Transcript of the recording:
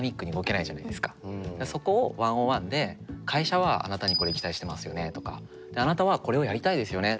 そこを１ｏｎ１で「会社はあなたにこれ期待してますよね」とか「あなたはこれをやりたいですよね。